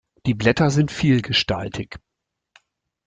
Die Blätter sind vielgestaltig.